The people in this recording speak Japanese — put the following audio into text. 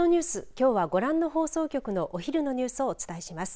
きょうはご覧の放送局のお昼のニュースをお伝えします。